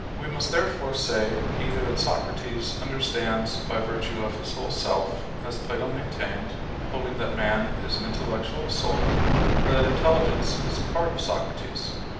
We must therefore say either that Socrates understands by virtue of his whole self, as Plato maintained, holding that man is an intellectual soul; or that intelligence is a part of Socrates.